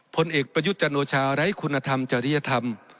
ผลเอกประยุทธ์จันโอชาไร้คุณธรรมจริยธรรม